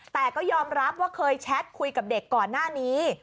แต่ก็ยอมรับว่าเคยแชทคุยกับเด็กก่อนหน้านี้